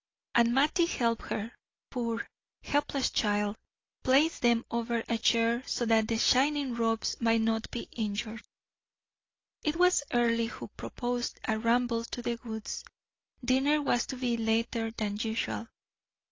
And Mattie helped her poor, helpless child! place them over a chair so that the shining robes might not be injured. It was Earle who proposed a ramble to the woods; dinner was to be later than usual.